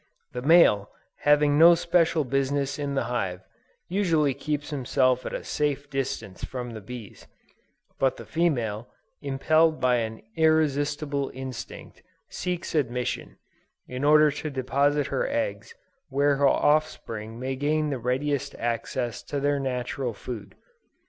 The male, having no special business in the hive, usually keeps himself at a safe distance from the bees: but the female, impelled by an irresistible instinct, seeks admission, in order to deposit her eggs where her offspring may gain the readiest access to their natural food.